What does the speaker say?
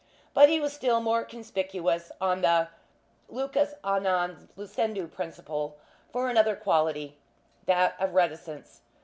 But he was still more conspicuous (on the lucus a non lucendo principle) for another quality that of reticence.